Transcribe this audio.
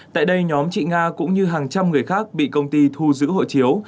tại đây nhóm chị nga cũng như hàng trăm người khác bị công ty thu giữ hộ chiếu